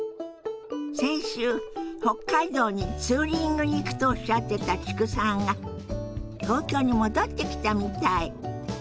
先週北海道にツーリングに行くとおっしゃってた知久さんが東京に戻ってきたみたい。